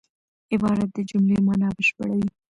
عبارت د جملې مانا بشپړوي.